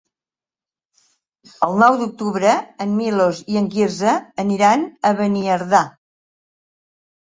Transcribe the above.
El nou d'octubre en Milos i en Quirze aniran a Beniardà.